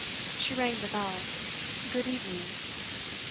She rang the bell. 'Good evening.